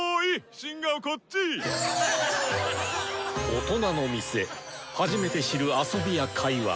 大人の店初めて知る遊びや会話。